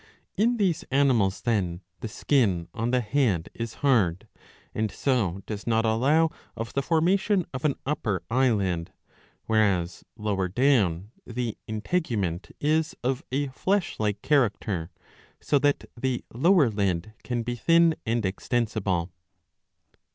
In these animals, then, the skin on the head is hard, and so does not allow of the formation of an upper eyelid,^ whereas lower down the integument is of a flesh like character, so that the lower lid can be thin and extensible.